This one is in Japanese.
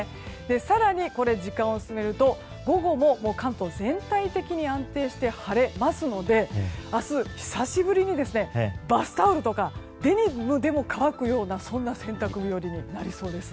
更に時間を進めると午後も関東全体的に安定して晴れますので明日、久しぶりにバスタオルとかデニムでも乾くようなそんな洗濯日和になりそうです。